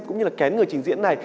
cũng như là kén người trình diễn này